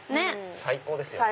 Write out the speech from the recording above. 最高ですよね。